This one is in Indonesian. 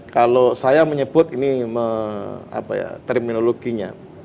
kalau saya menyebut ini apa ya terminologinya